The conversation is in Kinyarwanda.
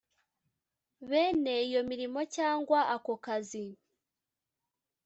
bene iyo mirimo cyangwa ako kazi